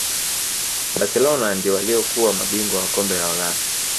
barcelona ndio waliyokuwa mabingwa wa kombe la ulaya